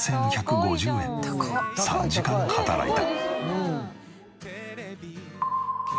３時間働いた。